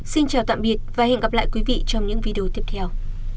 xin chào tạm biệt và hẹn gặp lại quý vị trong những video tiếp theo